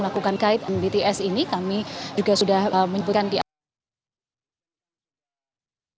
lakukan kaitan bts ini kami juga sudah menyebutkan p